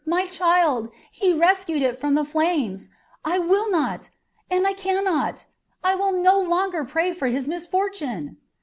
My child, he rescued it from the flames. I will not, and I can not I will no longer pray for his misfortune!"